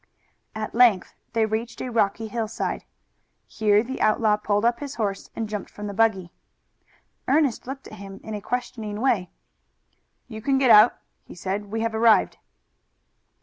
At length they reached a rocky hillside. Here the outlaw pulled up his horse and jumped from the buggy. Ernest looked at him in a questioning way. "You can get out," he said. "We have arrived."